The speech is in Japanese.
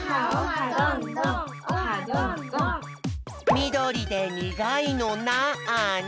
みどりでにがいのなに？